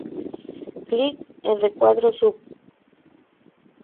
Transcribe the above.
Click en recuadro sup.